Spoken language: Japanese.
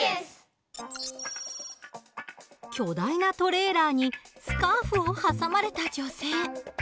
巨大なトレーラーにスカーフを挟まれた女性。